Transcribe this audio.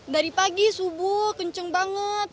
dari pagi subuh kenceng banget